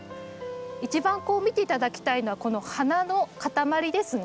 一番見て頂きたいのはこの花のかたまりですね。